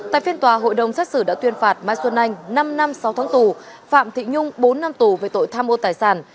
tại phiên tòa hội đồng xét xử đã tuyên phạt mai xuân anh năm năm sáu tháng tù phạm thị nhung bốn năm tù về tội tham ô tài sản